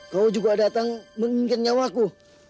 kau juga datang menginginkan nyawa aku